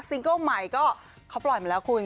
เกิ้ลใหม่ก็เขาปล่อยมาแล้วคุณ